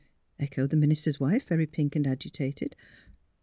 " echoed the minister's wife, very pink and agitated.